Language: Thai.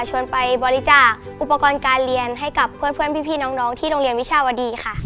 ไปบริจาคอุปกรณ์การเรียนให้กับเพื่อนพี่น้องที่โรงเรียนวิชาวดีค่ะ